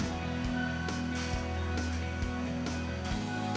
dan membuatnya lebih mudah